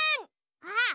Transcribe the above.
あっ！